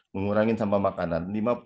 mengurangin sampah makanan